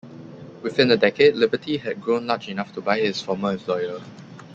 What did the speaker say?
Within a decade, Liberty had grown large enough to buy his former employer.